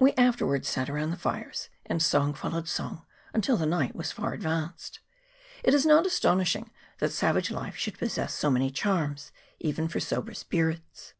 We afterwards sat around the fires, and song followed song until the night was far advanced. It is not astonishing that savage life should possess so many charms even for sober spirits.